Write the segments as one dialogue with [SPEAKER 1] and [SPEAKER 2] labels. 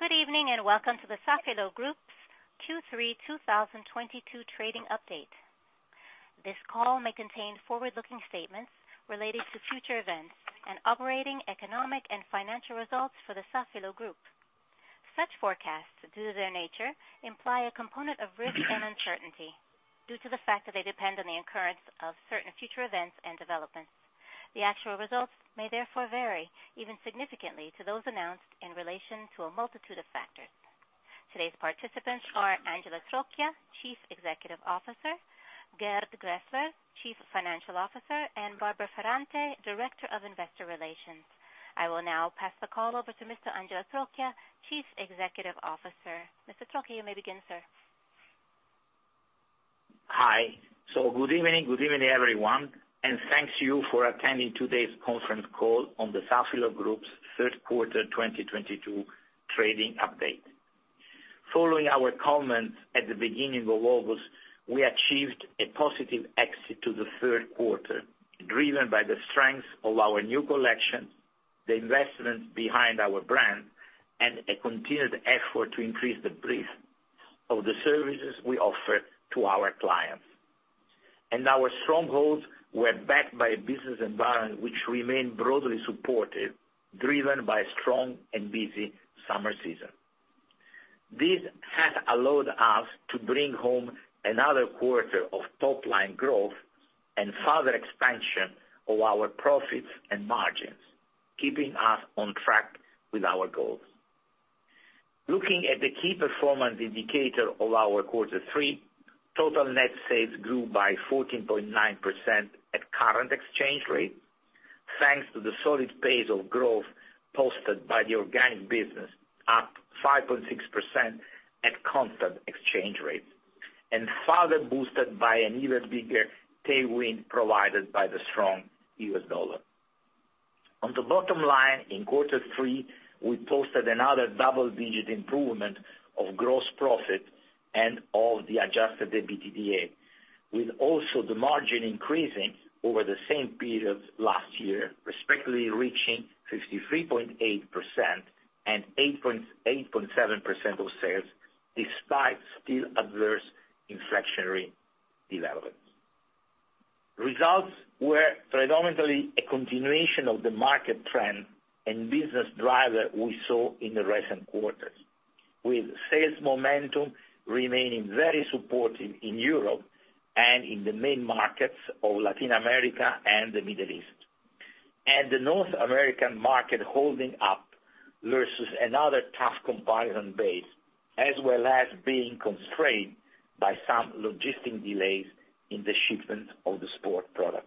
[SPEAKER 1] Good evening and welcome to the Safilo Group's Q3 2022 trading update. This call may contain forward-looking statements related to future events and operating economic and financial results for the Safilo Group. Such forecasts, due to their nature, imply a component of risk and uncertainty due to the fact that they depend on the occurrence of certain future events and developments. The actual results may therefore vary, even significantly, to those announced in relation to a multitude of factors. Today's participants are Angelo Trocchia, Chief Executive Officer, Gerd Graehsler, Chief Financial Officer, and Barbara Ferrante, Director of Investor Relations. I will now pass the call over to Mr. Angelo Trocchia, Chief Executive Officer. Mr. Trocchia, you may begin, sir.
[SPEAKER 2] Hi. Good evening. Good evening, everyone, and thank you for attending today's conference call on the Safilo Group's third quarter 2022 trading update. Following our comments at the beginning of August, we achieved a positive exit to the third quarter, driven by the strength of our new collection, the investment behind our brand, and a continued effort to increase the breadth of the services we offer to our clients. Our strongholds were backed by a business environment which remained broadly supported, driven by a strong and busy summer season. This has allowed us to bring home another quarter of top-line growth and further expansion of our profits and margins, keeping us on track with our goals. Looking at the key performance indicator of our quarter three, total net sales grew by 14.9% at current exchange rate, thanks to the solid pace of growth posted by the organic business, up 5.6% at constant exchange rates, and further boosted by an even bigger tailwind provided by the strong U.S. dollar. On the bottom line, in quarter three, we posted another double-digit improvement of gross profit and of the adjusted EBITDA, with also the margin increasing over the same period last year, respectively reaching 53.8% and 8.7% of sales, despite still adverse inflationary developments. Results were predominantly a continuation of the market trend and business driver we saw in the recent quarters, with sales momentum remaining very supportive in Europe and in the main markets of Latin America and the Middle East, and the North American market holding up versus another tough comparison base, as well as being constrained by some logistic delays in the shipment of the sport products.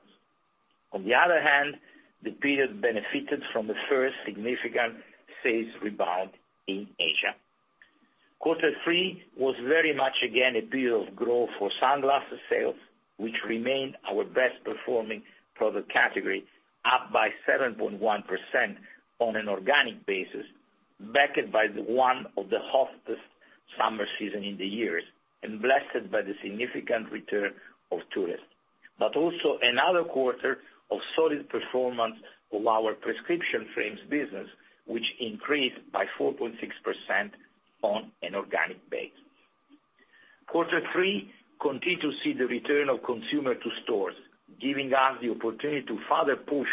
[SPEAKER 2] On the other hand, the period benefited from the first significant sales rebound in Asia. Quarter three was very much again a period of growth for sunglasses sales, which remain our best performing product category, up by 7.1% on an organic basis, backed by one of the hottest summers in years and blessed by the significant return of tourists. Another quarter of solid performance of our prescription frames business, which increased by 4.6% on an organic basis. Quarter 3 continued to see the return of consumers to stores, giving us the opportunity to further push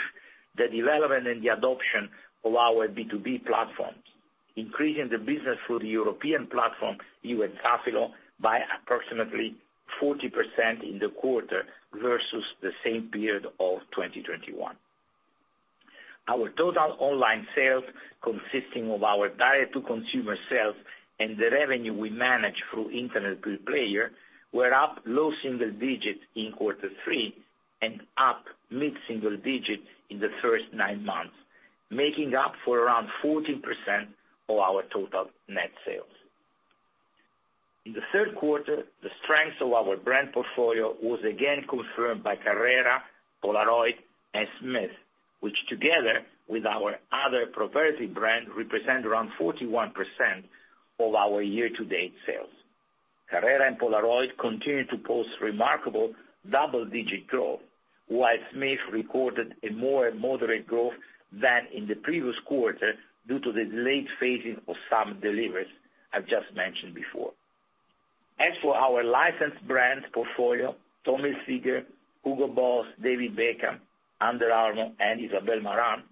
[SPEAKER 2] the development and the adoption of our B2B platforms, increasing the business through the European platform, Essilor, by approximately 40% in the quarter versus the same period of 2021. Our total online sales, consisting of our direct-to-consumer sales and the revenue we manage through internet players, were up low single digits in Quarter 3 and up mid-single digits in the first nine months, making up around 14% of our total net sales. In the third quarter, the strength of our brand portfolio was again confirmed by Carrera, Polaroid, and Smith, which together with our other proprietary brands represent around 41% of our year-to-date sales. Carrera and Polaroid continued to post remarkable double-digit growth, while Smith recorded a more moderate growth than in the previous quarter due to the delayed phasing of some deliveries I've just mentioned before. As for our licensed brands portfolio, Tommy Hilfiger, Hugo Boss, David Beckham, Under Armour, and Isabel Marant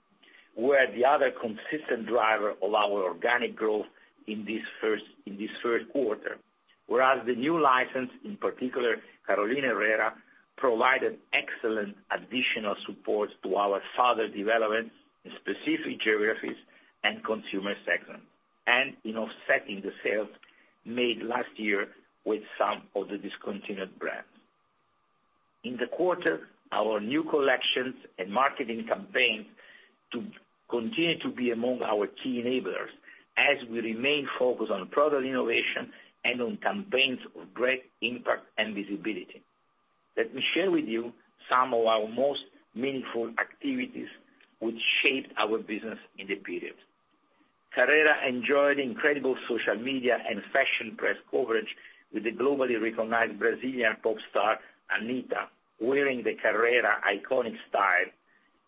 [SPEAKER 2] were the other consistent driver of our organic growth in this third quarter. Whereas the new license, in particular Carolina Herrera, provided excellent additional support to our further development in specific geographies and consumer segments, and in offsetting the sales made last year with some of the discontinued brands. In the quarter, our new collections and marketing campaigns to continue to be among our key enablers as we remain focused on product innovation and on campaigns of great impact and visibility. Let me share with you some of our most meaningful activities which shaped our business in the period. Carrera enjoyed incredible social media and fashion press coverage with the globally recognized Brazilian pop star, Anitta, wearing the Carrera iconic style.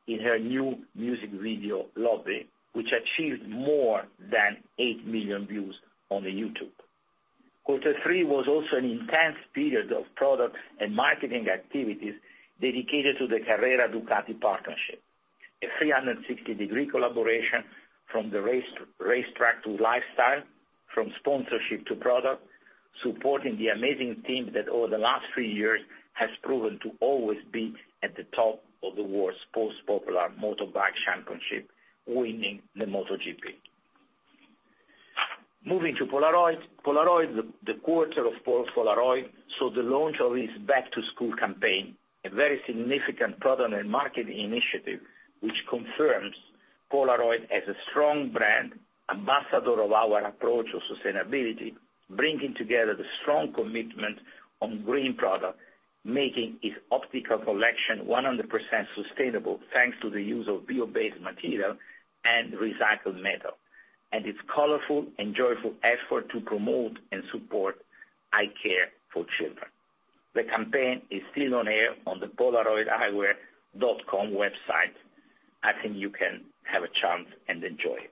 [SPEAKER 2] In her new music video, Lobby, which achieved more than 8 million views on YouTube. Quarter three was also an intense period of product and marketing activities dedicated to the Carrera Ducati partnership. A 360-degree collaboration from the racetrack to lifestyle, from sponsorship to product, supporting the amazing team that over the last three years has proven to always be at the top of the world's most popular motorbike championship, winning the MotoGP. Moving to Polaroid. Polaroid, so the launch of its back-to-school campaign, a very significant product and market initiative, which confirms Polaroid as a strong brand ambassador of our approach to sustainability, bringing together the strong commitment on green product, making its optical collection 100% sustainable, thanks to the use of bio-based material and recycled metal, and its colorful and joyful effort to promote and support eye care for children. The campaign is still on air on the polaroideyewear.com website. I think you can have a chance and enjoy it.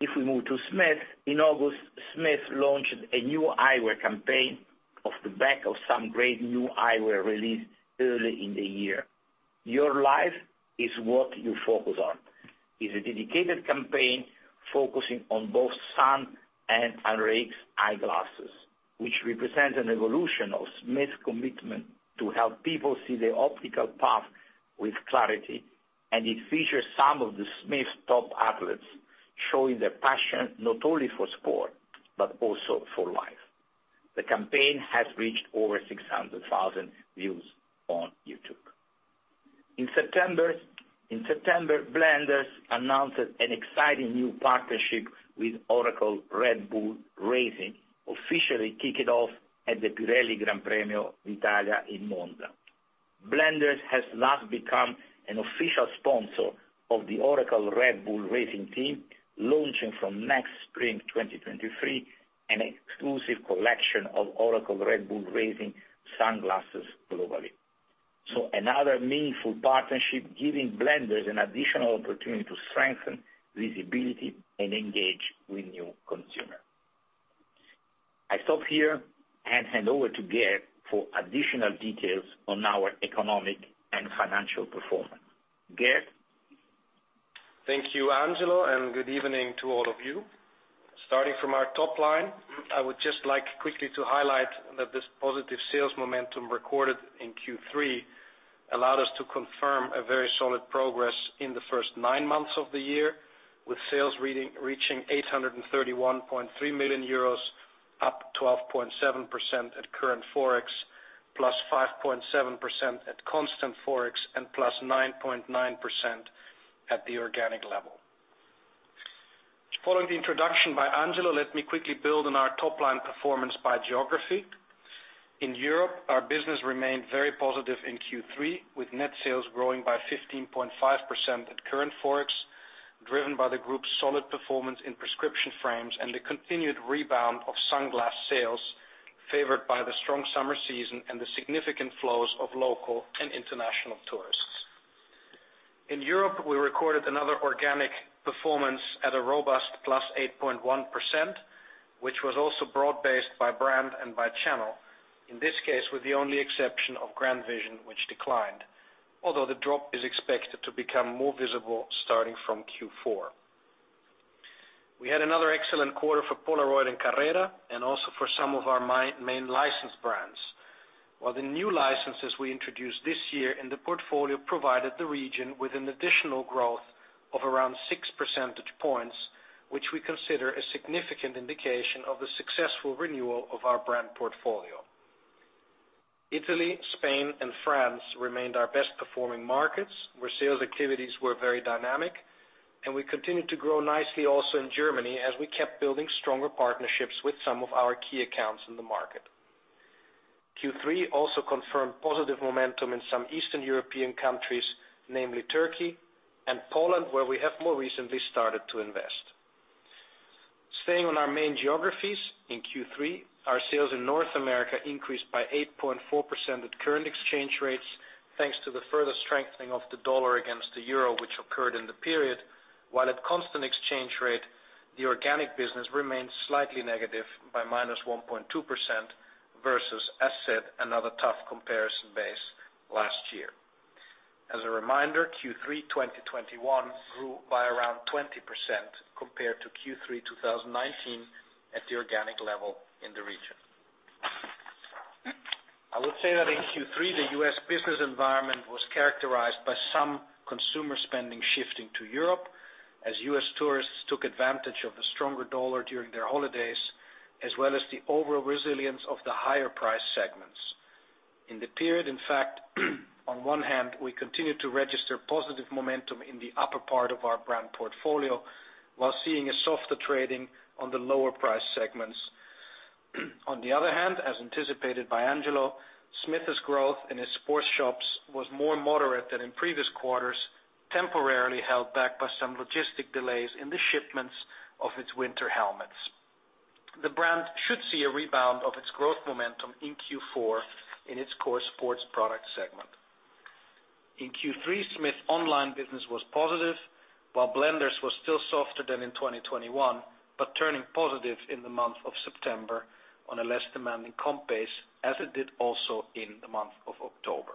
[SPEAKER 2] If we move to Smith. In August, Smith launched a new eyewear campaign off the back of some great new eyewear released early in the year. Your life is what you focus on is a dedicated campaign focusing on both sun and Rx eyeglasses, which represents an evolution of Smith's commitment to help people see their optical path with clarity. It features some of Smith's top athletes, showing their passion not only for sport, but also for life. The campaign has reached over 600,000 views on YouTube. In September, Blenders announced an exciting new partnership with Oracle Red Bull Racing, officially kicking it off at the Pirelli Gran Premio d'Italia in Monza. Blenders has thus become an official sponsor of the Oracle Red Bull Racing team, launching from next spring 2023 an exclusive collection of Oracle Red Bull Racing sunglasses globally. Another meaningful partnership giving Blenders an additional opportunity to strengthen visibility and engage with new consumer. I stop here and hand over to Gerd for additional details on our economic and financial performance. Gerd?
[SPEAKER 3] Thank you, Angelo, and good evening to all of you. Starting from our top line, I would just like quickly to highlight that this positive sales momentum recorded in Q3 allowed us to confirm a very solid progress in the first nine months of the year, with sales reaching 831.3 million euros, up 12.7% at current forex, plus 5.7% at constant forex, and plus 9.9% at the organic level. Following the introduction by Angelo, let me quickly build on our top line performance by geography. In Europe, our business remained very positive in Q3, with net sales growing by 15.5% at current forex, driven by the group's solid performance in prescription frames and the continued rebound of sunglasses sales, favored by the strong summer season and the significant flows of local and international tourists. In Europe, we recorded another organic performance at a robust +8.1%, which was also broad-based by brand and by channel. In this case, with the only exception of GrandVision, which declined, although the drop is expected to become more visible starting from Q4. We had another excellent quarter for Polaroid and Carrera, and also for some of our main licensed brands. While the new licenses we introduced this year in the portfolio provided the region with an additional growth of around 6 percentage points, which we consider a significant indication of the successful renewal of our brand portfolio. Italy, Spain, and France remained our best performing markets, where sales activities were very dynamic, and we continued to grow nicely also in Germany as we kept building stronger partnerships with some of our key accounts in the market. Q3 also confirmed positive momentum in some Eastern European countries, namely Turkey and Poland, where we have more recently started to invest. Staying on our main geographies, in Q3, our sales in North America increased by 8.4% at current exchange rates, thanks to the further strengthening of the dollar against the euro, which occurred in the period. While at constant exchange rate, the organic business remained slightly negative by -1.2% versus, as said, another tough comparison base last year. As a reminder, Q3 2021 grew by around 20% compared to Q3 2019 at the organic level in the region. I would say that in Q3, the U.S. business environment was characterized by some consumer spending shifting to Europe as U.S. tourists took advantage of the stronger U.S. dollar during their holidays, as well as the overall resilience of the higher price segments. In the period, in fact, on one hand, we continued to register positive momentum in the upper part of our brand portfolio while seeing a softer trading on the lower price segments. On the other hand, as anticipated by Angelo, Smith's growth in its sports shops was more moderate than in previous quarters, temporarily held back by some logistic delays in the shipments of its winter helmets. The brand should see a rebound of its growth momentum in Q4 in its core sports product segment. In Q3, Smith's online business was positive, while Blenders was still softer than in 2021, but turning positive in the month of September on a less demanding comp base, as it did also in the month of October.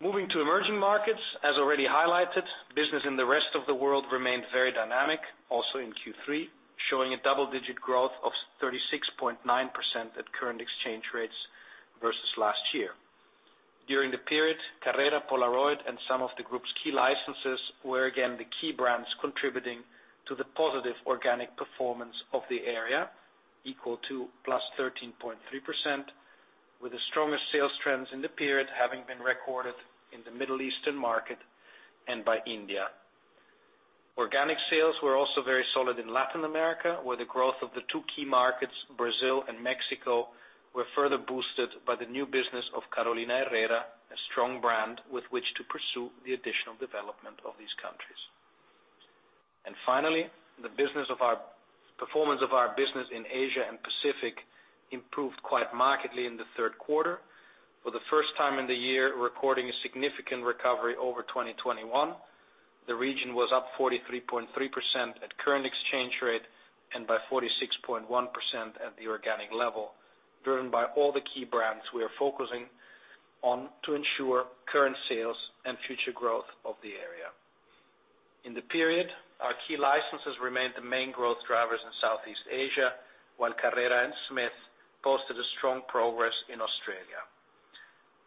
[SPEAKER 3] Moving to emerging markets, as already highlighted, business in the rest of the world remained very dynamic, also in Q3, showing a double-digit growth of 36.9% at current exchange rates versus last year. During the period, Carrera, Polaroid, and some of the group's key licenses were again the key brands contributing to the positive organic performance of the area, equal to +13.3%, with the strongest sales trends in the period having been recorded in the Middle Eastern market and by India. Organic sales were also very solid in Latin America, where the growth of the two key markets, Brazil and Mexico, were further boosted by the new business of Carolina Herrera, a strong brand with which to pursue the additional development of these countries. Finally, the performance of our business in Asia and Pacific improved quite markedly in the third quarter. For the first time in the year, recording a significant recovery over 2021, the region was up 43.3% at current exchange rate and by 46.1% at the organic level, driven by all the key brands we are focusing on to ensure current sales and future growth of the area. In the period, our key licenses remained the main growth drivers in Southeast Asia, while Carrera and Smith posted a strong progress in Australia.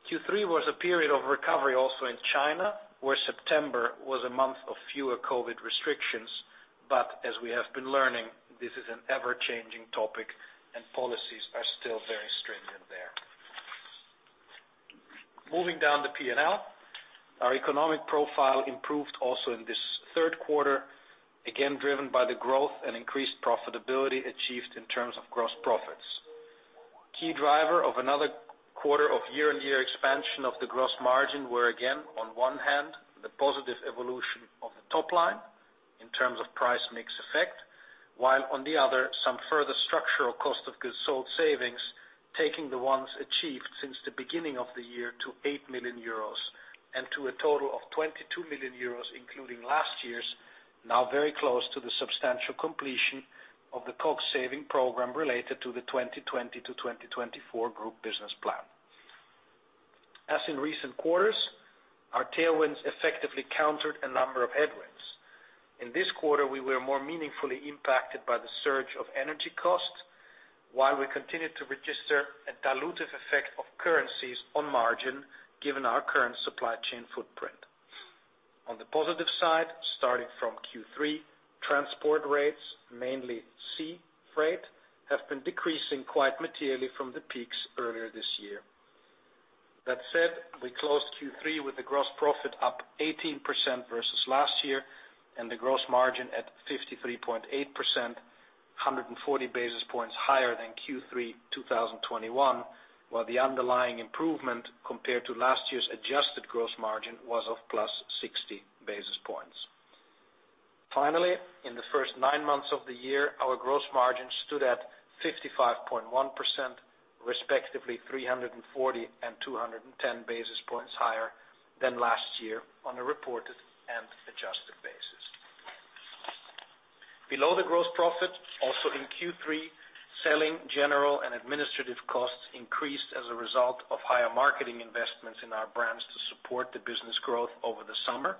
[SPEAKER 3] Q3 was a period of recovery also in China, where September was a month of fewer COVID restrictions, but as we have been learning, this is an ever-changing topic, and policies are still very stringent there. Moving down the P&L, our economic profile improved also in this third quarter, again, driven by the growth and increased profitability achieved in terms of gross profits. Key driver of another quarter of year-on-year expansion of the gross margin were again, on one hand, the positive evolution of the top line in terms of price mix effect, while on the other, some further structural cost of goods sold savings, taking the ones achieved since the beginning of the year to 8 million euros and to a total of 22 million euros, including last year's, now very close to the substantial completion of the COGS saving program related to the 2020 to 2024 group business plan. As in recent quarters, our tailwinds effectively countered a number of headwinds. In this quarter, we were more meaningfully impacted by the surge of energy costs, while we continued to register a dilutive effect of currencies on margin, given our current supply chain footprint. On the positive side, starting from Q3, transport rates, mainly sea freight, have been decreasing quite materially from the peaks earlier this year. That said, we closed Q3 with a gross profit up 18% versus last year and the gross margin at 53.8%, 140 basis points higher than Q3 2021, while the underlying improvement compared to last year's adjusted gross margin was of +60 basis points. Finally, in the first 9 months of the year, our gross margin stood at 55.1%, respectively 340 and 210 basis points higher than last year on a reported and adjusted basis. Below the gross profit, also in Q3, selling, general, and administrative costs increased as a result of higher marketing investments in our brands to support the business growth over the summer,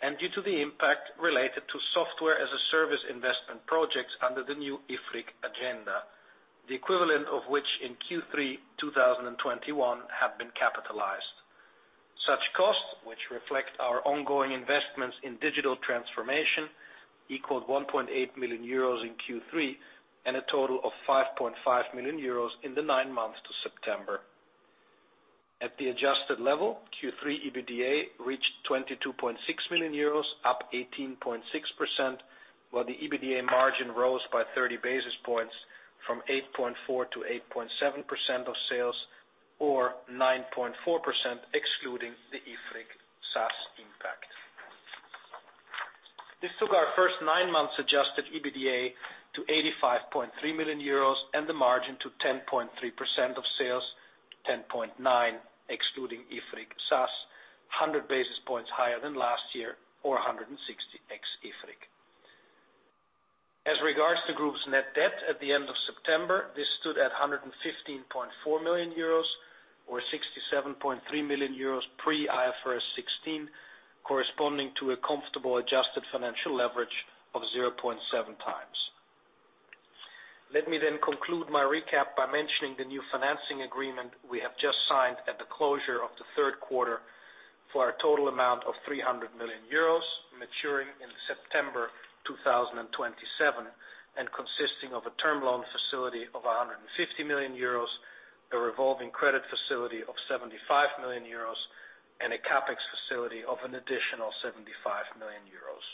[SPEAKER 3] and due to the impact related to software as a service investment projects under the new IFRIC agenda, the equivalent of which in Q3 2021 have been capitalized. Such costs, which reflect our ongoing investments in digital transformation, equaled 1.8 million euros in Q3 and a total of 5.5 million euros in the nine months to September. At the adjusted level, Q3 EBITDA reached 22.6 million euros, up 18.6%, while the EBITDA margin rose by 30 basis points from 8.4% to 8.7% of sales or 9.4% excluding the IFRIC SaaS impact. This took our first nine months adjusted EBITDA to 85.3 million euros and the margin to 10.3% of sales, 10.9% excluding IFRIC SaaS, 100 basis points higher than last year or 160 ex IFRIC. As regards the group's net debt at the end of September, this stood at 115.4 million euros or 67.3 million euros pre-IFRS 16, corresponding to a comfortable adjusted financial leverage of 0.7 times. Let me conclude my recap by mentioning the new financing agreement we have just signed at the closure of the third quarter for a total amount of 300 million euros maturing in September 2027 and consisting of a term loan facility of 150 million euros, a revolving credit facility of 75 million euros, and a CapEx facility of an additional 75 million euros.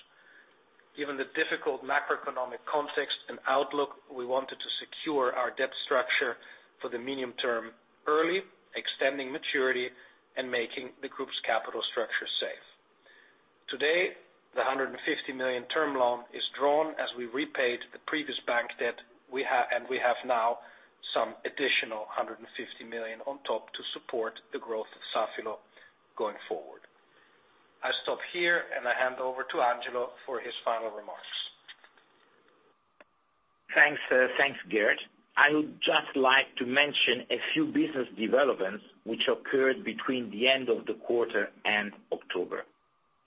[SPEAKER 3] Given the difficult macroeconomic context and outlook, we wanted to secure our debt structure for the medium term early, extending maturity and making the group's capital structure safe. Today, the 150 million term loan is drawn as we repaid the previous bank debt we have, and we have now some additional 150 million on top to support the growth of Safilo going forward. I stop here, and I hand over to Angelo for his final remarks.
[SPEAKER 2] Thanks, thanks, Gerd. I would just like to mention a few business developments which occurred between the end of the quarter and October.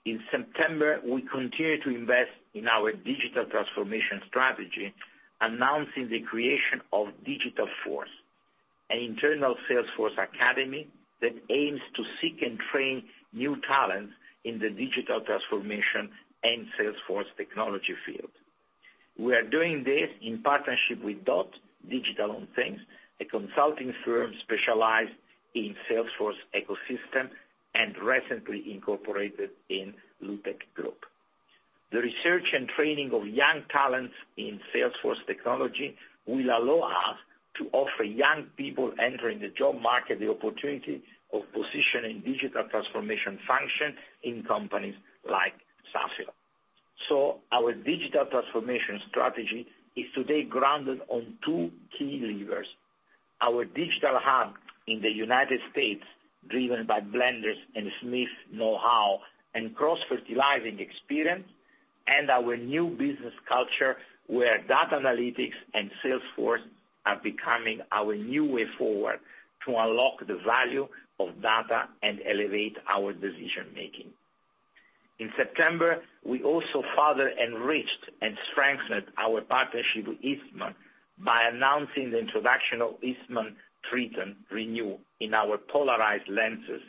[SPEAKER 2] In September, we continued to invest in our digital transformation strategy, announcing the creation of Digital Force, an internal Salesforce academy that aims to seek and train new talent in the digital transformation and Salesforce technology field. We are doing this in partnership with DOT - Digital on Things, a consulting firm specialized in Salesforce ecosystem and recently incorporated in Lutech Group. The research and training of young talents in Salesforce technology will allow us to offer young people entering the job market the opportunity of positioning digital transformation function in companies like Safilo. Our digital transformation strategy is today grounded on two key levers. Our digital hub in the United States, driven by Blenders and Smith know-how and cross-fertilizing experience, and our new business culture, where data analytics and Salesforce are becoming our new way forward to unlock the value of data and elevate our decision-making. In September, we also further enriched and strengthened our partnership with Eastman by announcing the introduction of Eastman Tritan Renew in our polarized lenses,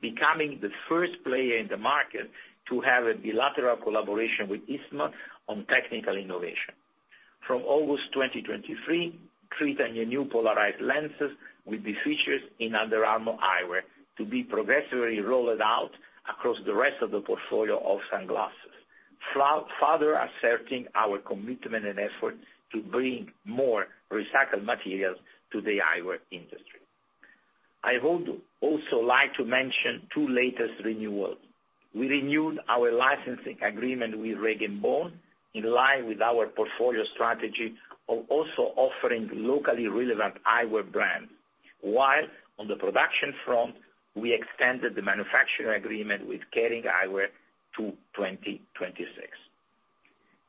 [SPEAKER 2] becoming the first player in the market to have a bilateral collaboration with Eastman on technical innovation. From August 2023, Tritan Renew polarized lenses will be featured in Under Armour eyewear to be progressively rolled out across the rest of the portfolio of sunglasses, further asserting our commitment and effort to bring more recycled materials to the eyewear industry. I would also like to mention two latest renewals. We renewed our licensing agreement with Rag & Bone in line with our portfolio strategy of also offering locally relevant eyewear brands. While on the production front, we extended the manufacturing agreement with Kering Eyewear to 2026.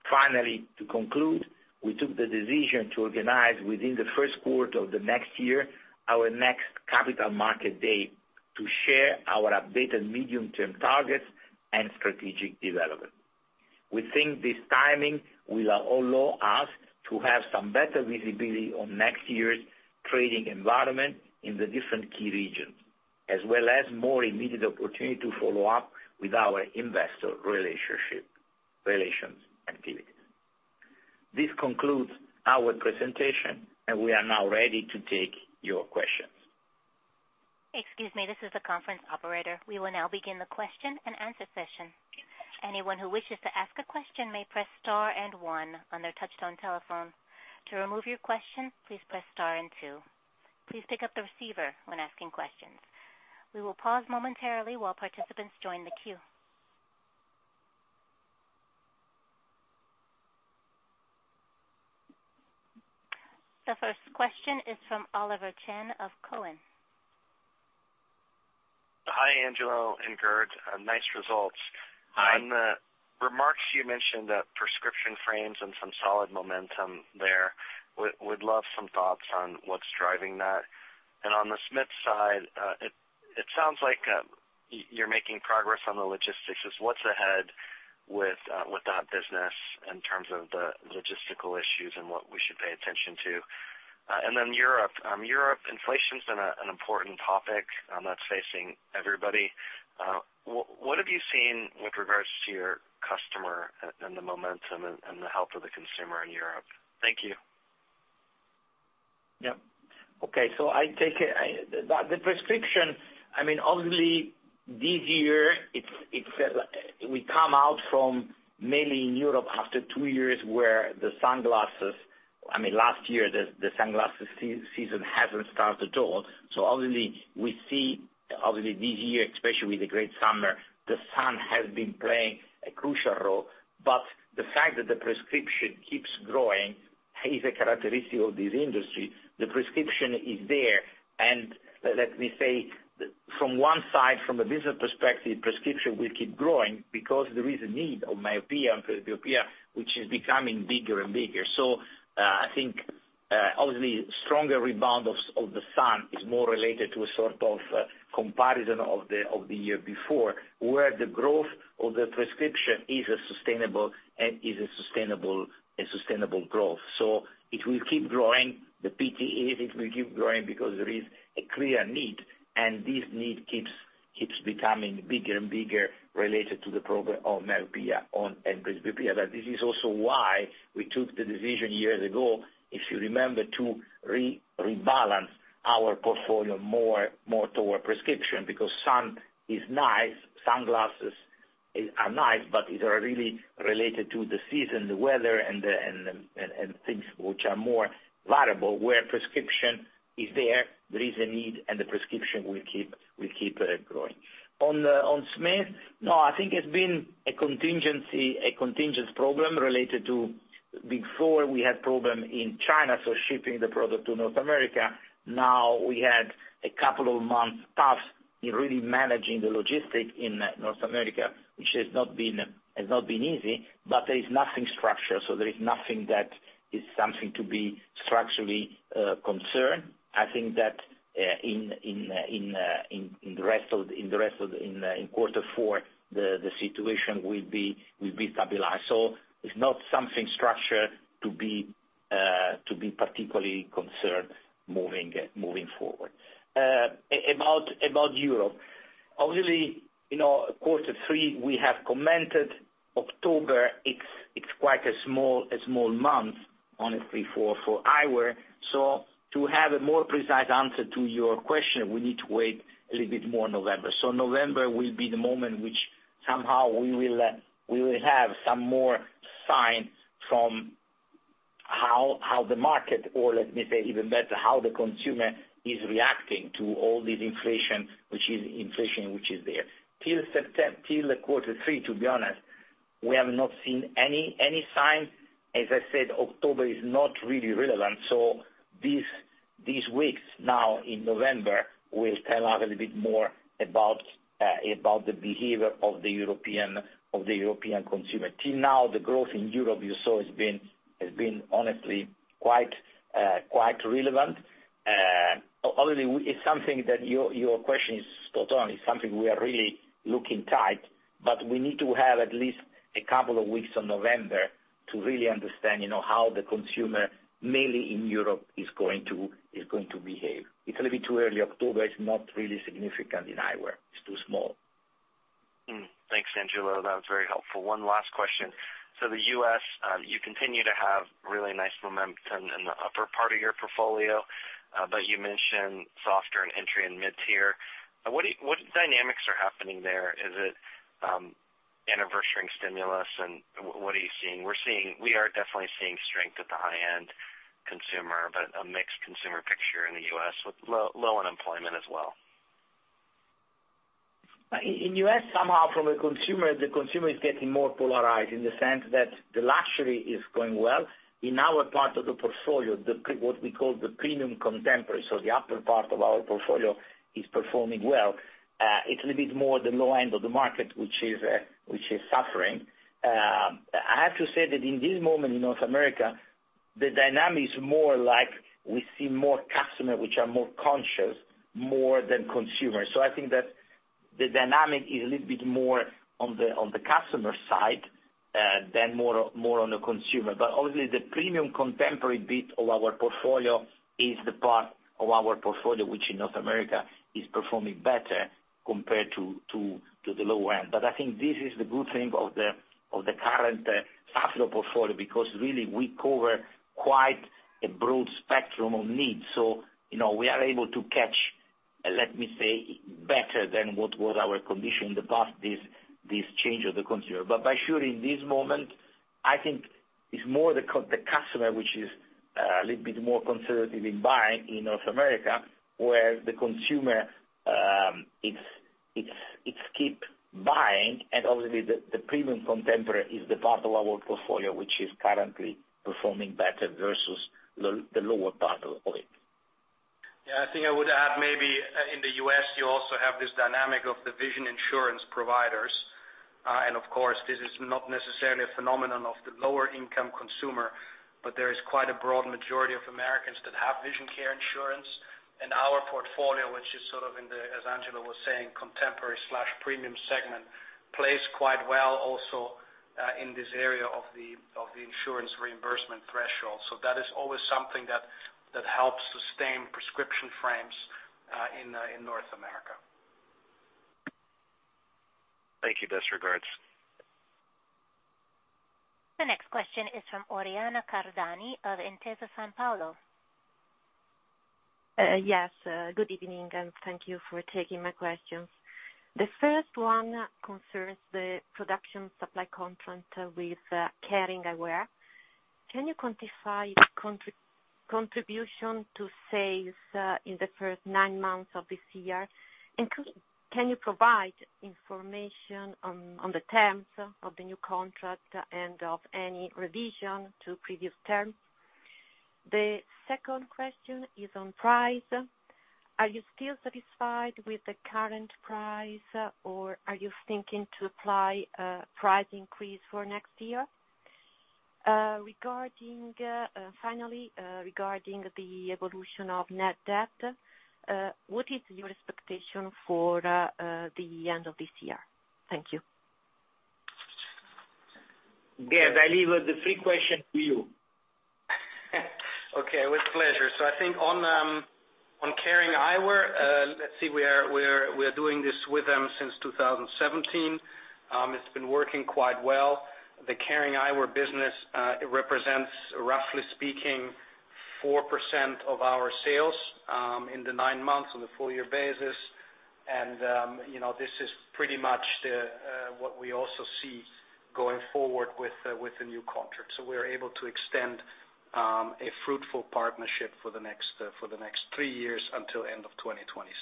[SPEAKER 2] Finally, to conclude, we took the decision to organize within the first quarter of the next year our next Capital Markets Day to share our updated medium-term targets and strategic development. We think this timing will allow us to have some better visibility on next year's trading environment in the different key regions, as well as more immediate opportunity to follow up with our investor relations activities. This concludes our presentation, and we are now ready to take your questions.
[SPEAKER 1] Excuse me, this is the conference operator. We will now begin the question and answer session. Anyone who wishes to ask a question may press star and one on their touchtone telephone. To remove your question, please press star and two. Please pick up the receiver when asking questions. We will pause momentarily while participants join the queue. The first question is from Oliver Chen of Cowen.
[SPEAKER 4] Hi, Angelo and Gerd. Nice results.
[SPEAKER 2] Hi.
[SPEAKER 4] On the remarks, you mentioned that prescription frames and some solid momentum there. Would love some thoughts on what's driving that. On the Smith side, it sounds like you're making progress on the logistics. Just what's ahead with that business in terms of the logistical issues and what we should pay attention to? Then Europe. Europe inflation's been an important topic that's facing everybody. What have you seen with regards to your customer and the momentum and the health of the consumer in Europe? Thank you.
[SPEAKER 2] Yeah. Okay. I take it, the prescription, I mean, obviously, this year, it's we come out from mainly in Europe after two years where the sunglasses I mean, last year, the sunglasses season hasn't started at all. Obviously, we see, obviously this year, especially with the great summer, the sun has been playing a crucial role. The fact that the prescription keeps growing is a characteristic of this industry. The prescription is there. Let me say, from one side, from a business perspective, prescription will keep growing because there is a need of myopia and presbyopia, which is becoming bigger and bigger. I think obviously stronger rebound of the sun is more related to a sort of comparison of the year before, where the growth of the prescription is a sustainable growth. It will keep growing. The Rx will keep growing because there is a clear need, and this need keeps becoming bigger and bigger related to the problem of myopia and presbyopia. This is also why we took the decision years ago, if you remember, to rebalance our portfolio more toward prescription because sun is nice, sunglasses are nice, but these are really related to the season, the weather, and things which are more variable. Where prescription is there is a need, and the prescription will keep growing. On Smith. No, I think it's been a contingency, a contingent problem related to before we had problem in China, so shipping the product to North America. Now we had a couple of months tough in really managing the logistics in North America, which has not been easy, but there is nothing structural. There is nothing that is something to be structurally concerned. I think that in the rest of quarter four, the situation will be stabilized. It's not something structured to be particularly concerned moving forward. About Europe. Obviously, you know, quarter three, we have commented. October it's quite a small month honestly for eyewear. To have a more precise answer to your question, we need to wait a little bit more November. November will be the moment which somehow we will have some more signs from how the market or let me say even better, how the consumer is reacting to all this inflation, which is there. Till quarter three, to be honest, we have not seen any sign. As I said, October is not really relevant. These weeks now in November will tell us a little bit more about the behavior of the European consumer. Till now, the growth in Europe, you saw, has been honestly quite relevant. Only it's something that your question is spot on. It's something we are really looking at it, but we need to have at least a couple of weeks in November to really understand, you know, how the consumer, mainly in Europe, is going to behave. It's a little bit too early. October is not really significant in eyewear. It's too small.
[SPEAKER 4] Thanks, Angelo. That was very helpful. One last question. The U.S., you continue to have really nice momentum in the upper part of your portfolio. You mentioned softer in entry and mid-tier. What dynamics are happening there? Is it anniversarying stimulus and what are you seeing? We are definitely seeing strength at the high-end consumer, but a mixed consumer picture in the U.S. with low unemployment as well.
[SPEAKER 2] In U.S., somehow from a consumer, the consumer is getting more polarized in the sense that the luxury is going well. In our part of the portfolio, what we call the premium contemporary, so the upper part of our portfolio is performing well. It's a little bit more the low end of the market which is suffering. I have to say that in this moment in North America, the dynamic is more like we see more customer which are more conscious than consumers. I think that the dynamic is a little bit more on the customer side than on the consumer. Obviously the premium contemporary bit of our portfolio is the part of our portfolio which in North America is performing better compared to the low end. I think this is the good thing of the current Safilo portfolio, because really we cover quite a broad spectrum of needs. You know, we are able to catch, let me say, better than what was our condition in the past, this change of the consumer. For sure, in this moment, I think it's more the customer, which is a little bit more conservative in buying in North America, where the consumer, it keeps buying. Obviously the premium contemporary is the part of our portfolio which is currently performing better versus the lower part of it.
[SPEAKER 3] Yeah. I think I would add maybe in the U.S., you also have this dynamic of the vision insurance providers. Of course, this is not necessarily a phenomenon of the lower income consumer, but there is quite a broad majority of Americans that have vision care insurance. Our portfolio, which is sort of in the, as Angelo was saying, contemporary/premium segment, plays quite well also in this area of the insurance reimbursement threshold. That is always something that helps sustain prescription frames in North America.
[SPEAKER 4] Thank you. Best regards.
[SPEAKER 1] The next question is from Oriana Cardani of Intesa Sanpaolo.
[SPEAKER 5] Yes, good evening, and thank you for taking my questions. The first one concerns the production supply contract with Kering Eyewear. Can you quantify contribution to sales in the first nine months of this year? Can you provide information on the terms of the new contract and of any revision to previous terms? The second question is on price. Are you still satisfied with the current price, or are you thinking to apply a price increase for next year? Finally, regarding the evolution of net debt, what is your expectation for the end of this year? Thank you.
[SPEAKER 2] Gerd, I leave the three questions to you.
[SPEAKER 3] Okay. With pleasure. I think on Kering Eyewear, we are doing this with them since 2017. It's been working quite well. The Kering Eyewear business, it represents, roughly speaking, 4% of our sales, in the nine months on a full year basis. This is pretty much what we also see going forward with the new contract. We are able to extend a fruitful partnership for the next three years until end of 2026.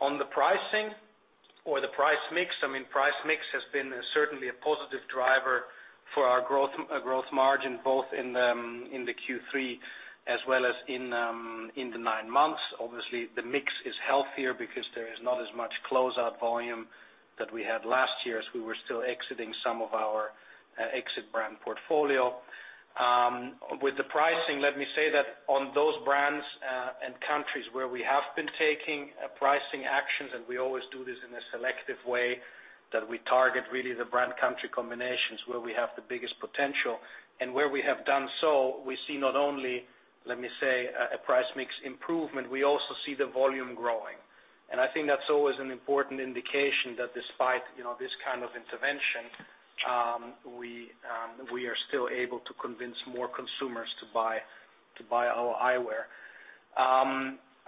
[SPEAKER 3] On the pricing or the price mix, I mean, price mix has been certainly a positive driver for our growth margin, both in the Q3 as well as in the nine months. Obviously, the mix is healthier because there is not as much closeout volume that we had last year as we were still exiting some of our exit brand portfolio. With the pricing, let me say that on those brands and countries where we have been taking pricing actions, and we always do this in a selective way, that we target really the brand country combinations where we have the biggest potential. Where we have done so, we see not only, let me say, a price mix improvement, we also see the volume growing. I think that's always an important indication that despite, you know, this kind of intervention, we are still able to convince more consumers to buy our eyewear.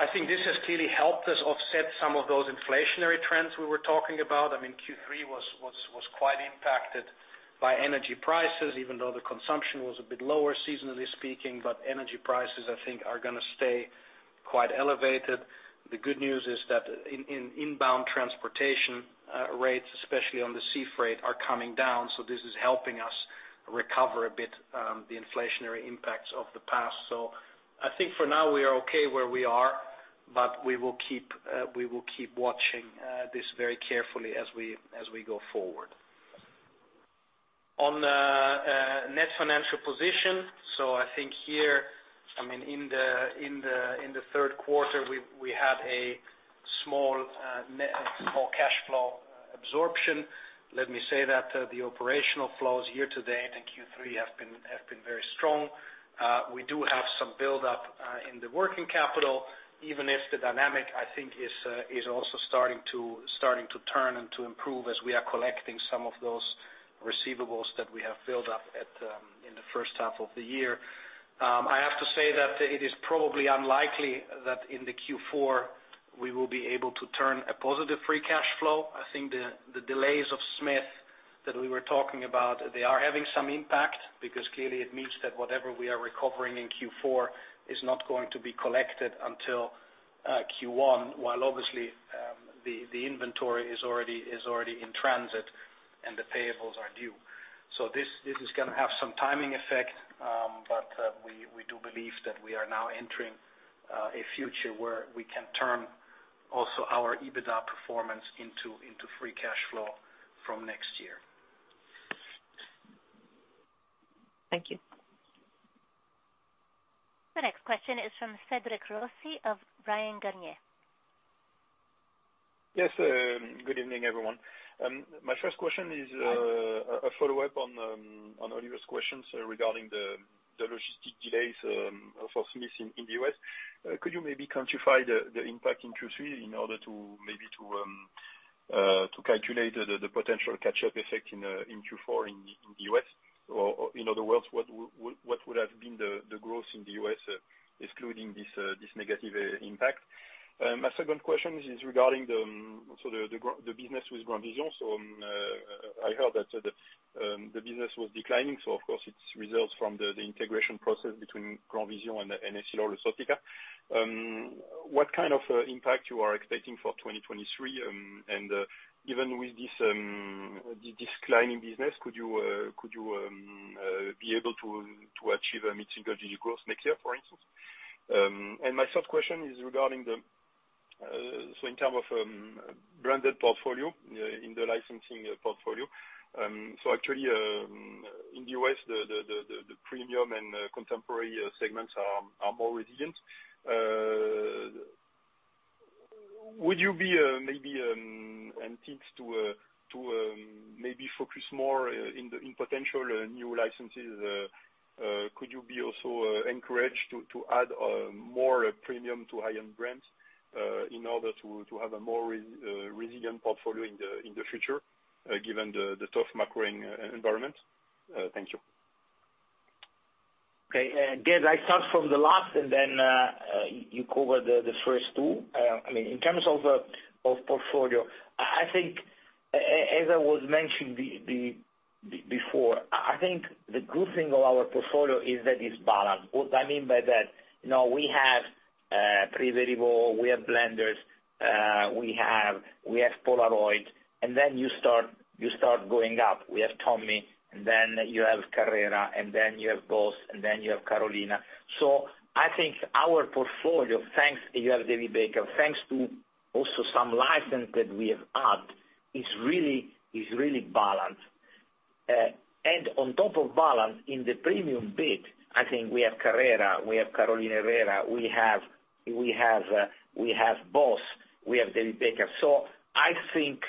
[SPEAKER 3] I think this has clearly helped us offset some of those inflationary trends we were talking about. I mean, Q3 was quite impacted by energy prices, even though the consumption was a bit lower seasonally speaking, but energy prices, I think, are gonna stay quite elevated. The good news is that in inbound transportation rates, especially on the sea freight, are coming down, so this is helping us recover a bit the inflationary impacts of the past. So I think for now, we are okay where we are, but we will keep watching this very carefully as we go forward. On net financial position. So I think here, I mean, in the third quarter, we had a small net operating cash flow absorption. Let me say that the operating cash flows year to date in Q3 have been very strong. We do have some buildup in the working capital, even if the dynamic, I think, is also starting to turn and to improve as we are collecting some of those receivables that we have built up in the first half of the year. I have to say that it is probably unlikely that in the Q4, we will be able to turn a positive free cash flow. I think the delays of Smith that we were talking about, they are having some impact because clearly it means that whatever we are recovering in Q4 is not going to be collected until Q1, while obviously the inventory is already in transit and the payables are due. This is gonna have some timing effect, but we do believe that we are now entering a future where we can turn also our EBITDA performance into free cash flow from next year.
[SPEAKER 5] Thank you.
[SPEAKER 1] The next question is from Cédric Rossi of Bryan Garnier.
[SPEAKER 6] Yes. Good evening, everyone. My first question is a follow-up on Oliver's questions regarding the logistic delays for Smith in the U.S. Could you maybe quantify the impact in Q3 in order to maybe calculate the potential catch-up effect in Q4 in the U.S.? Or in other words, what would have been the growth in the U.S. excluding this negative impact? My second question is regarding the business with GrandVision. I heard that the business was declining, so of course it results from the integration process between GrandVision and EssilorLuxottica. What kind of impact you are expecting for 2023, and even with this declining business, could you be able to achieve a mid-single-digit growth next year, for instance? My third question is regarding, so in terms of branded portfolio in the licensing portfolio. Actually, in the U.S., the premium and contemporary segments are more resilient. Would you be maybe enticed to maybe focus more in potential new licenses? Could you be also encouraged to add more premium to high-end brands in order to have a more resilient portfolio in the future given the tough macro environment? Thank you.
[SPEAKER 2] Okay. Again, I start from the last and then you cover the first two. I mean, in terms of portfolio, I think as I was mentioning before, I think the good thing of our portfolio is that it's balanced. What I mean by that, you know, we have Privé Revaux, we have Blenders, we have Polaroid, and then you start going up. We have Tommy, and then you have Carrera, and then you have Boss, and then you have Carolina. So I think our portfolio, thanks to we have David Beckham, thanks to also some license that we have added, is really balanced. Balanced in the premium bit, I think we have Carrera, we have Carolina Herrera, we have Boss, we have David Beckham. I think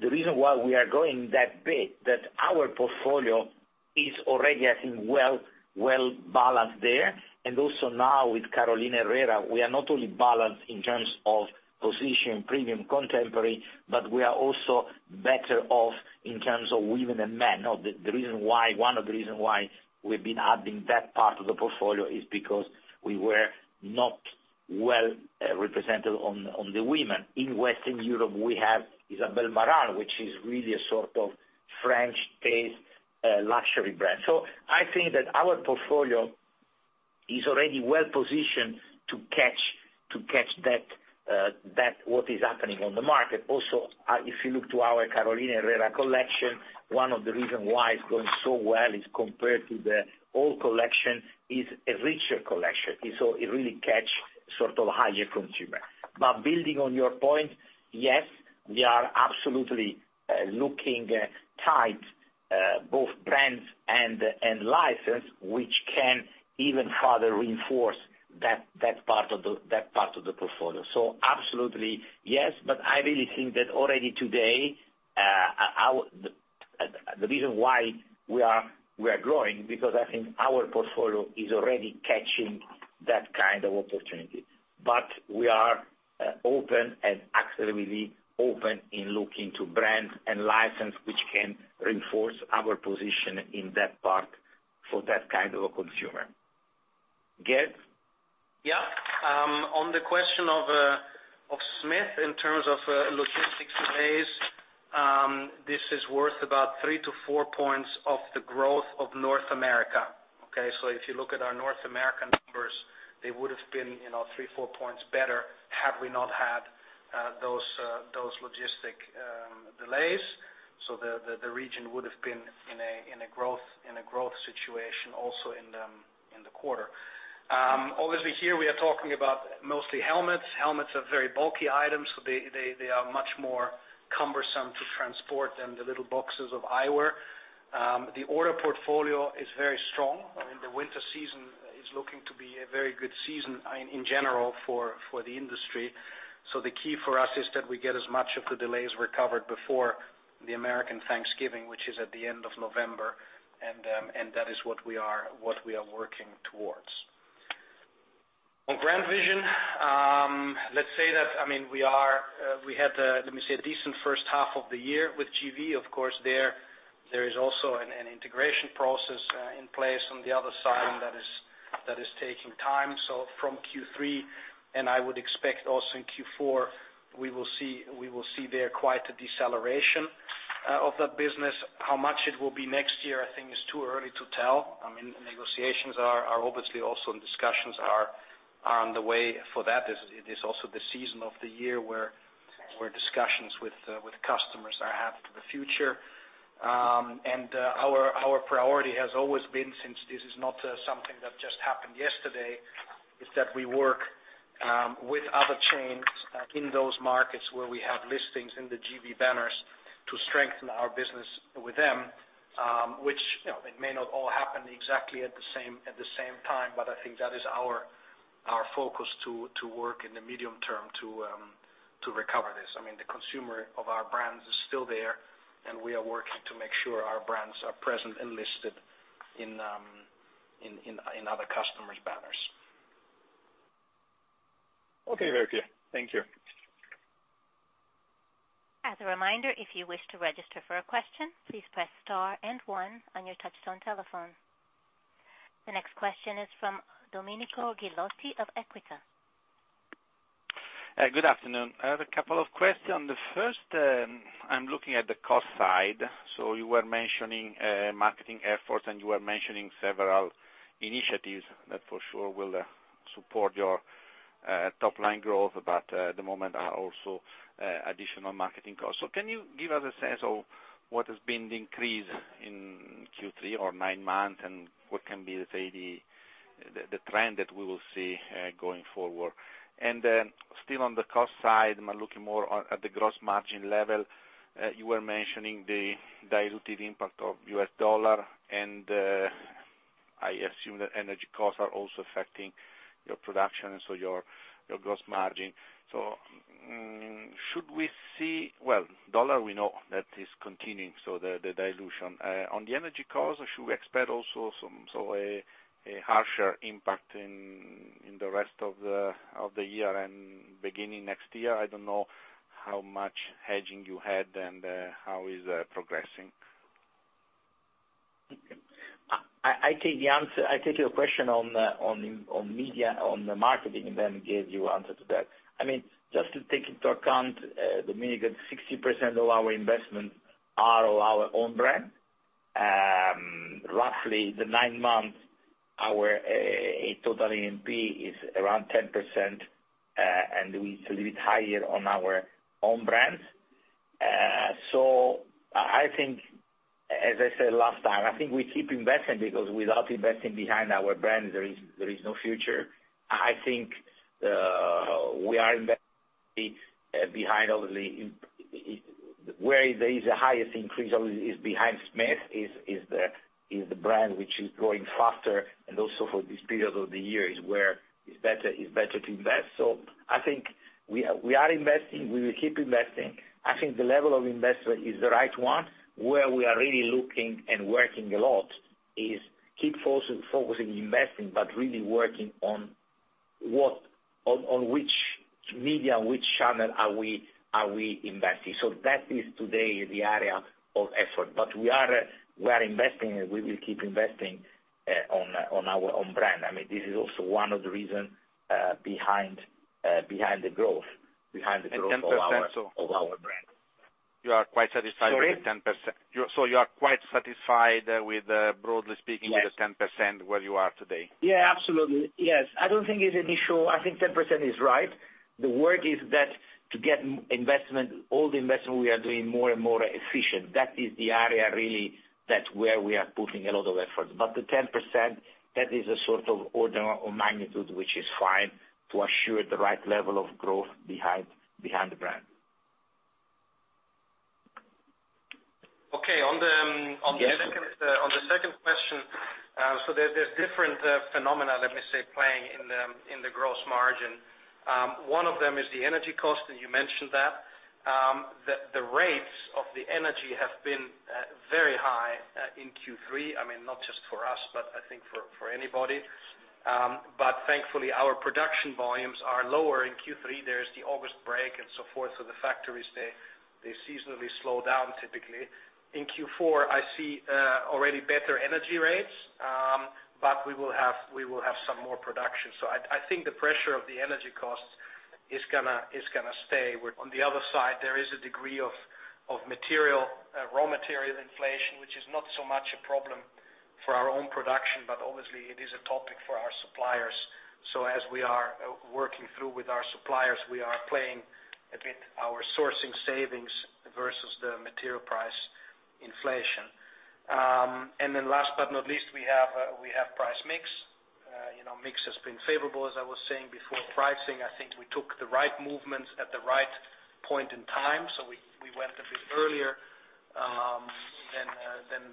[SPEAKER 2] the reason why we are growing that bit, that our portfolio is already, I think, well-balanced there. Also now with Carolina Herrera, we are not only balanced in terms of position, premium, contemporary, but we are also better off in terms of women and men. Now, one of the reason why we've been adding that part of the portfolio is because we were not well represented on the women. In Western Europe, we have Isabel Marant, which is really a sort of French-based luxury brand. I think that our portfolio is already well positioned to catch that what is happening on the market. Also, if you look to our Carolina Herrera collection, one of the reason why it is going so well is compared to the old collection is a richer collection. So it really catch sort of higher consumer. But building on your point, yes, we are absolutely looking at high-end both brands and licenses, which can even further reinforce that part of the portfolio. So absolutely, yes, but I really think that already today, our. The reason why we are growing, because I think our portfolio is already catching that kind of opportunity. But we are open and actually, really open in looking to brands and licenses, which can reinforce our position in that part for that kind of a consumer. Gerd?
[SPEAKER 3] Yeah. On the question of Smith in terms of logistics delays, this is worth about 3-4 points of the growth of North America. Okay. If you look at our North American numbers, they would have been, you know, 3-4 points better had we not had those logistics delays. The region would have been in a growth situation also in the quarter. Obviously here we are talking about mostly helmets. Helmets are very bulky items, so they are much more cumbersome to transport than the little boxes of eyewear. The order portfolio is very strong. I mean, the winter season is looking to be a very good season in general for the industry. The key for us is that we get as much of the delays recovered before the American Thanksgiving, which is at the end of November, and that is what we are working towards. On GrandVision, let's say that, I mean, we had, let me say, a decent first half of the year with GV. Of course, there is also an integration process in place on the other side that is taking time. From Q3, and I would expect also in Q4, we will see there quite a deceleration of that business. How much it will be next year, I think it's too early to tell. I mean, negotiations are obviously also in discussions are on the way for that. This is also the season of the year where discussions with customers are ahead for the future. Our priority has always been, since this is not something that just happened yesterday, is that we work with other chains in those markets where we have listings in the GrandVision banners to strengthen our business with them, which you know, it may not all happen exactly at the same time, but I think that is our focus to work in the medium term to recover this. I mean, the consumer of our brands is still there, and we are working to make sure our brands are present and listed in other customers' banners.
[SPEAKER 6] Okay, very clear. Thank you.
[SPEAKER 1] As a reminder, if you wish to register for a question, please press star and one on your touchtone telephone. The next question is from Domenico Ghilotti of Equita.
[SPEAKER 7] Good afternoon. I have a couple of questions. The first, I'm looking at the cost side. You were mentioning marketing efforts, and you were mentioning several initiatives that for sure will support your top line growth, but at the moment are also additional marketing costs. Can you give us a sense of what has been the increase in Q3 or nine months, and what can be, let's say, the trend that we will see going forward? Still on the cost side, I'm looking more at the gross margin level. You were mentioning the dilutive impact of U.S. dollar, and I assume that energy costs are also affecting your production, so your gross margin. Should we see? Well, dollar, we know that is continuing, so the dilution. On the energy cost, should we expect also some sort of a harsher impact in the rest of the year and beginning next year? I don't know how much hedging you had and how is progressing.
[SPEAKER 2] I take your question on the media, on the marketing, and then give you answer to that. I mean, just to take into account, Domenico, 60% of our investments are our own brand. Roughly the nine months, our total A&P is around 10%, and we're still a bit higher on our own brands. I think, as I said last time, I think we keep investing because without investing behind our brand, there is no future. I think we are investing behind all the. Where there is the highest increase is behind Smith, the brand which is growing faster, and also for this period of the year is where it's better to invest. I think we are investing, we will keep investing. I think the level of investment is the right one. Where we are really looking and working a lot is keep focusing investing, but really working on what, on which media, which channel are we investing. That is today the area of effort. We are investing and we will keep investing on our own brand. I mean, this is also one of the reason behind the growth of our-
[SPEAKER 7] 10% of-
[SPEAKER 2] -of our brand.
[SPEAKER 7] You are quite satisfied with the 10%.
[SPEAKER 2] Sorry?
[SPEAKER 7] You are quite satisfied with, broadly speaking-
[SPEAKER 2] Yes.
[SPEAKER 7] -with the 10% where you are today?
[SPEAKER 2] Yeah, absolutely. Yes. I don't think it's an issue. I think 10% is right. The work is that to get more investment, all the investment we are doing more and more efficient. That is the area really that's where we are putting a lot of effort. The 10%, that is a sort of order of magnitude, which is fine to assure the right level of growth behind the brand.
[SPEAKER 3] Okay. On the second
[SPEAKER 2] Yes.
[SPEAKER 3] On the second question, there's different phenomena, let me say, playing in the gross margin. One of them is the energy cost, and you mentioned that. The energy rates have been very high in Q3. I mean, not just for us, but I think for anybody. Thankfully, our production volumes are lower in Q3. There is the August break and so forth, so the factories they seasonally slow down typically. In Q4, I see already better energy rates, but we will have some more production. I think the pressure of the energy costs is gonna stay. On the other side, there is a degree of raw material inflation, which is not so much a problem for our own production, but obviously it is a topic for our suppliers. As we are working through with our suppliers, we are playing a bit our sourcing savings versus the material price inflation. Then last but not least, we have price mix. You know, mix has been favorable, as I was saying before. Pricing, I think we took the right movements at the right point in time. We went a bit earlier than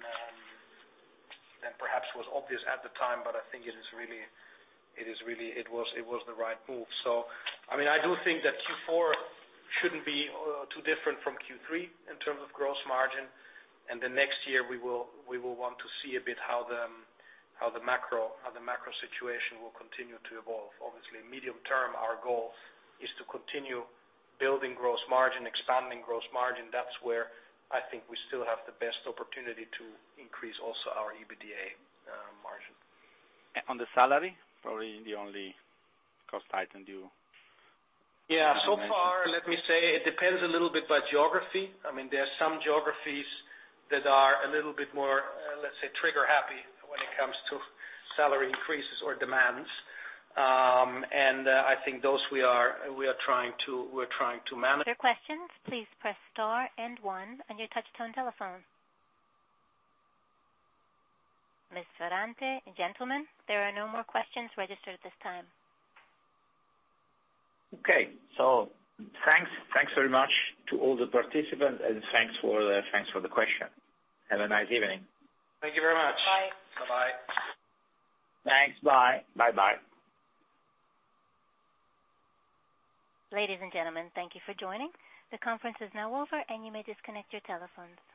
[SPEAKER 3] perhaps was obvious at the time, but I think it really was the right move. I mean, I do think that Q4 shouldn't be too different from Q3 in terms of gross margin. Then next year we will want to see a bit how the macro situation will continue to evolve. Obviously, medium term, our goal is to continue building gross margin, expanding gross margin. That's where I think we still have the best opportunity to increase also our EBITDA margin.
[SPEAKER 7] On the salary, probably the only cost item you.
[SPEAKER 3] Yeah. So far, let me say it depends a little bit by geography. I mean, there are some geographies that are a little bit more, let's say, trigger happy when it comes to salary increases or demands. I think those we are trying to manage.
[SPEAKER 1] For further questions, please press star and one on your touchtone telephone. Ms. Ferrante, gentlemen, there are no more questions registered at this time.
[SPEAKER 2] Okay. Thanks very much to all the participants, and thanks for the question. Have a nice evening.
[SPEAKER 3] Thank you very much.
[SPEAKER 8] Bye.
[SPEAKER 3] Bye-bye.
[SPEAKER 2] Thanks. Bye. Bye-bye.
[SPEAKER 1] Ladies and gentlemen, thank you for joining. The conference is now over, and you may disconnect your telephones.